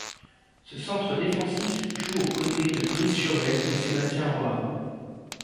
Ce centre défensif joue aux côtés de Brice Chauvel et Sébastien Rohat.